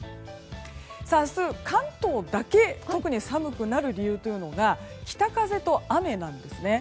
明日、関東だけ特に寒くなる理由というのが北風と雨なんですね。